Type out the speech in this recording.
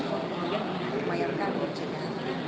kemudian dibayarkan ke china